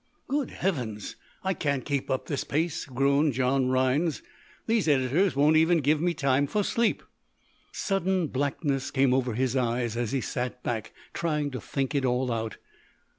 "Good heavens! I can't keep up this pace," groaned John Rhinds. "These editors won't even give me time for sleep." Sudden blackness came over his eyes as he sat back, trying to think it all out.